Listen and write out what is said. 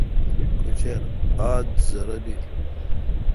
کچر ادھزرہ بیل۔